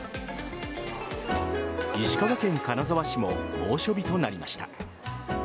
石川県金沢市も猛暑日となりました。